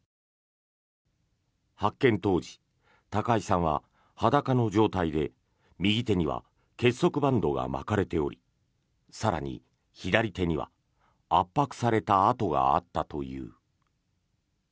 発見当時、高井さんは裸の状態で右手には結束バンドが巻かれており更に、左手には圧迫された痕があったという。